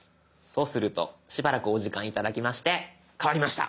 そうするとしばらくお時間頂きまして変わりました！